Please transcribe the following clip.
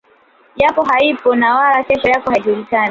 yako haipo na wala kesho yako haijulikani